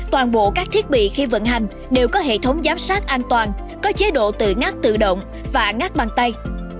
toàn bộ các thiết bị khi vận hành đều có hệ thống giám sát an toàn có chế độ tự ngắt tự động và ngắt bằng tay